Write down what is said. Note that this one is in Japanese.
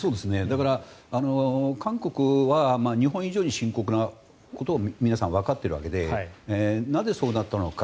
だから、韓国は日本以上に深刻なことを皆さん、わかっているわけでなぜそうなったのか。